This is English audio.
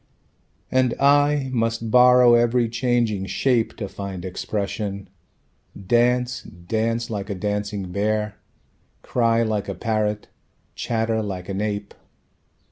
And I must borrow every changing shape To find expression... dance, dance Like a dancing bear, Cry like a parrot, chatter like an ape.